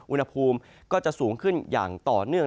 อุณหภูมิก็จะสูงขึ้นอย่างต่อเนื่อง